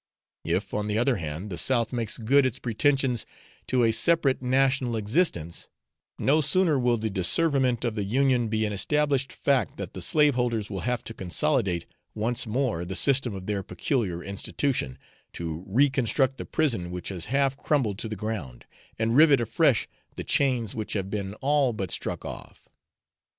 If, on the other hand, the South makes good its pretensions to a separate national existence, no sooner will the disseverment of the Union be an established fact than the slaveholders will have to consolidate once more the system of their 'peculiar institution,' to reconstruct the prison which has half crumbled to the ground, and rivet afresh the chains which have been all but struck off.